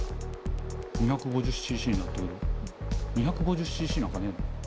２５０ｃｃになった２５０ｃｃなんかねえな。